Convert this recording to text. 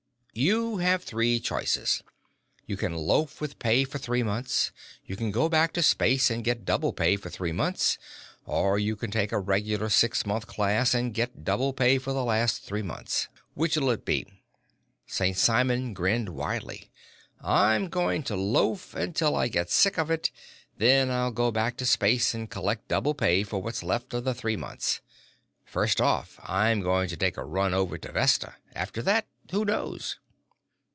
You have three choices: You can loaf with pay for three months; you can go back to space and get double pay for three months; or you can take a regular six month class and get double pay for the last three months. Which'll it be?" St. Simon grinned widely. "I'm going to loaf until I get sick of it, then I'll go back to space and collect double pay for what's left of the three months. First off, I'm going to take a run over to Vesta. After that, who knows?"